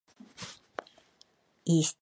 ისტი